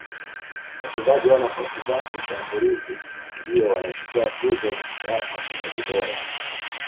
wachezaji wa nafasi za ushambulizi ndiyo wanachukuwa tuzo ya wachezaji bora